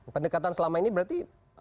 pendekatan selama ini berarti